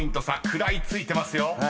食らいついてますよ］